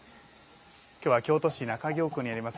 今日は京都市中京区にあります